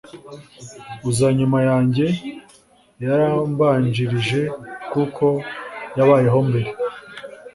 uza nyuma yanjye yarambanjirije kuko yabayeho mbere